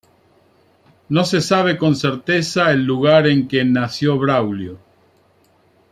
No se sabe con certeza el lugar en que nació Braulio.